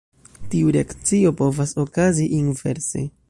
Tiu reakcio povas okazi inverse.